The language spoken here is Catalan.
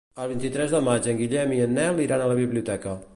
El vint-i-tres de maig en Guillem i en Nel iran a la biblioteca.